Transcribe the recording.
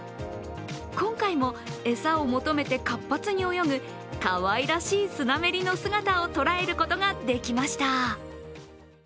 今回も、餌を求めて活発に泳ぐかわいらしいスナメリの姿を捉えることができました。